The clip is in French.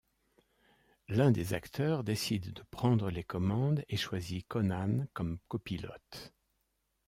L'un des acteurs décide de prendre les commandes et choisit Conan comme copilote.